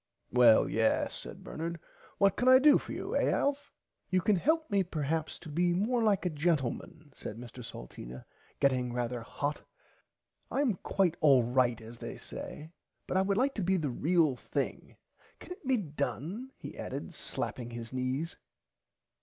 Well yes said Bernard what can I do for you eh Alf? You can help me perhaps to be more like a gentleman said Mr Salteena getting rarther hot I am quite alright as they say but I would like to be the real thing can it be done he added slapping his knees.